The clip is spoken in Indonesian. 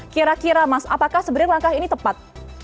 kira kira mas apakah sebenarnya langkah ini tepat